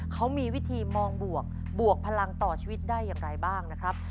เขามีวิธีมองบวกบวกพลังต่อชีวิตได้อย่างไรบ้างนะครับ